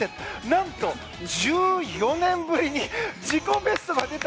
なんと１４年ぶりに自己ベストが出た！